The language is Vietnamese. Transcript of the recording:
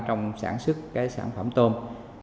trong sản xuất cái sản phẩm tôm